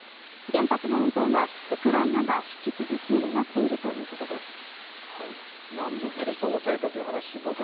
原発の運転はウクライナが引き続き担っているということです。